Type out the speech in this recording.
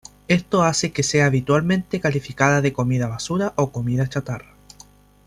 Esto hace que sea habitualmente calificada de comida basura o comida chatarra.